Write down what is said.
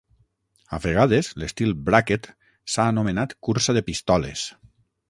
A vegades, l'estil "Bracket" s'ha anomenat "cursa de pistoles".